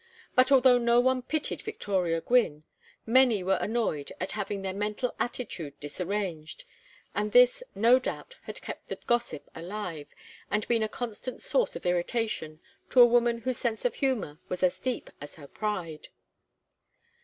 But although no one pitied Victoria Gwynne, many were annoyed at having their mental attitude disarranged, and this no doubt had kept the gossip alive and been a constant source of irritation to a woman whose sense of humor was as deep as her pride.